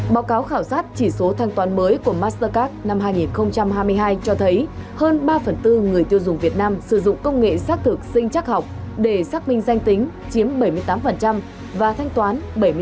báo cáo khảo sát chỉ số thanh toán mới của mastercard năm hai nghìn hai mươi hai cho thấy hơn ba phần tư người tiêu dùng việt nam sử dụng công nghệ xác thực sinh chắc học để xác minh danh tính chiếm bảy mươi tám và thanh toán bảy mươi tám